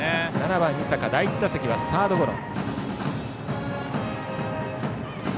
７番、井坂第１打席はサードゴロ。